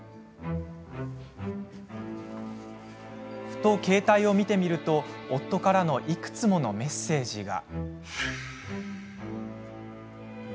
ふと、携帯を見てみると夫からのいくつものメッセージが。